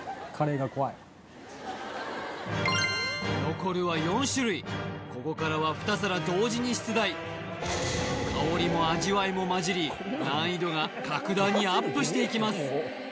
残るは４種類ここからは２皿同時に出題香りも味わいもまじり難易度が格段にアップしていきます